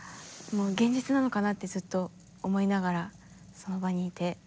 現実なのかなってずっと思いながらその場にいて。